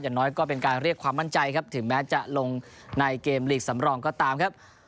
น้อยก็เป็นการเรียกความมั่นใจครับถึงแม้จะลงในเกมลีกสำรองก็ตามครับ